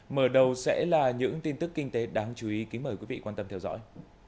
mở đầu sẽ là những tin tức kinh tế đáng chú ý kính mời quý vị quan tâm theo dõi